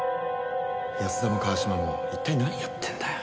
安田も川島も一体何やってんだよ。